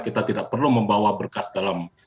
kita tidak perlu membawa berkas dalam